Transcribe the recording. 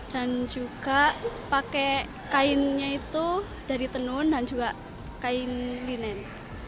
dan juga pakai kainnya itu dari tenun dan juga kain linen